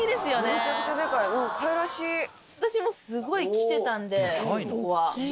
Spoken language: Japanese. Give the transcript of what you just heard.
めちゃくちゃでかい、かわい私もすごい来てたんで、ここは。